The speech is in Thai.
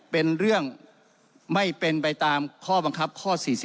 เป็นเรื่องไม่เป็นไปตามข้อบังคับข้อ๔๔